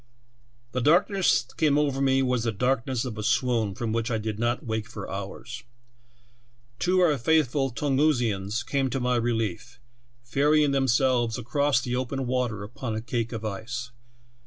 "The darkness that came over me was the dark ness of a swoon, from which I did not wake for hours. Two of our faithful Tungusians came to my relief, ferrying themselves across the open water upon a cake of ice.